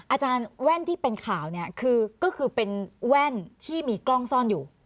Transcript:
อาจารย์แว่นที่เป็นข่าวเนี่ยก็คือเป็นแว่นที่มีกล้องซ่อนอยู่